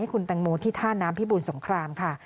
คุณแตงโมที่ท่าน้ำพิบูรสงครามค่ะ